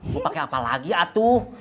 lu pake apa lagi atuh